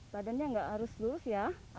badannya nggak harus lurus ya